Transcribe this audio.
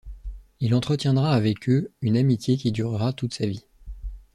Il entretiendra avec eux une amitié qui durera toute sa vie.